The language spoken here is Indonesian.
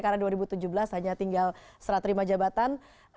karena dua ribu tujuh belas hanya tinggal serat terima jabatan